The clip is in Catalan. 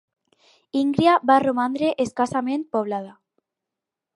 Íngria va romandre escassament poblada.